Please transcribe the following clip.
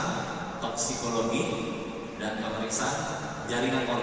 untuk kedokteran forensik